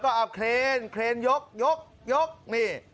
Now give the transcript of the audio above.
ค่ะเคลนยกนี่